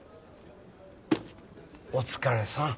お疲れさん。